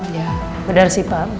ya benar sih pak